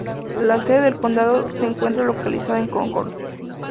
La sede del condado se encuentra localizada en Concord.